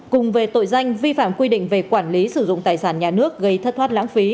cùng về tội danh vi phạm quy định về quản lý sử dụng tài sản nhà nước gây thất thoát lãng phí